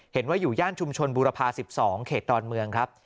เห็นว่าอยู่ย่านชุมชนบูรพาสิบสองเขตดอนเมืองครับ